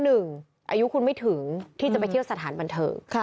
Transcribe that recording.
อายุคุณไม่ถึงที่จะไปเที่ยวสถานบันเทิง